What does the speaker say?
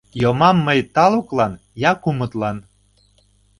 Йомам мый талуклан я кумытлан